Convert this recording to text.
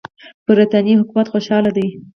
برټانیې حکومت خوشاله دی.